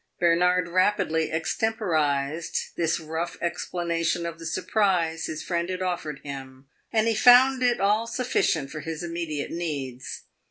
Bernard rapidly extemporized this rough explanation of the surprise his friend had offered him, and he found it all sufficient for his immediate needs.